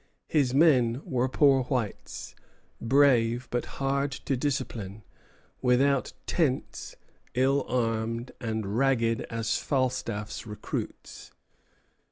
His men were poor whites, brave, but hard to discipline; without tents, ill armed, and ragged as Falstaff's recruits.